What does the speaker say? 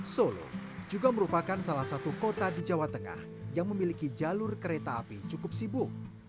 solo juga merupakan salah satu kota di jawa tengah yang memiliki jalur kereta api cukup sibuk